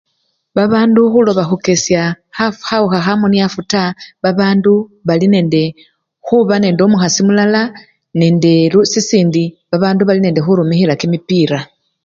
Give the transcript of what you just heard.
Babandu khuloba khukesya khasi! khawukha khamuniafu taa, babandu balinende khuba nomukhasi mulala nende lu! sisindi bandu balinende khurumikhia kimipila.